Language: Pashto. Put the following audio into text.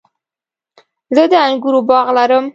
زه د انګورو باغ لرم